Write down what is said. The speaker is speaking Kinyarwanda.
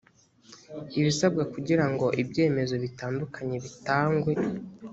ibisabwa kugira ngo ibyemezo bitandukanye bitangwe